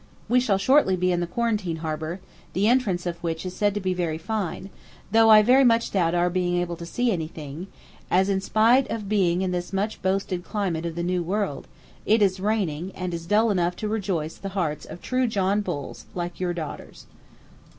We shall shortly be in the quarantine harbour, the entrance of which is said to be very fine; though I very much doubt our being able to see anything, as, in spite of being in this much boasted climate of the new world, it is raining and is dull enough to rejoice the hearts of true John Bulls like your daughter's.